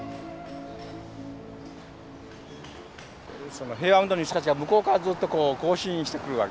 その平和運動に参加する人たちが向こうからずっとこう行進してくるわけです。